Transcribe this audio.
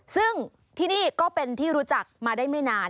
ซึ่งที่นี่ก็เป็นที่รู้จักมาได้ไม่นาน